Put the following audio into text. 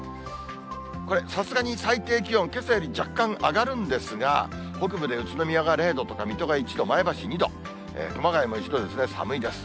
これ、さすがに最低気温、けさより若干上がるんですが、北部で宇都宮が０度とか、水戸が１度、前橋２度、熊谷も１度ですね、寒いです。